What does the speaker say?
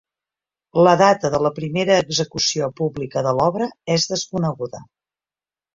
La data de la primera execució pública de l'obra és desconeguda.